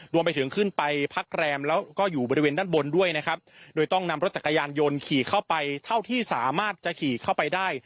รวมไปถึงขึ้นไปพักแรมแล้วก็อยู่บริเวณด้านบนด้วยนะครับโดยต้องนำรถจักรยานยนต์ขี่เข้าไปเท่าที่สามารถจะขี่เข้าไปได้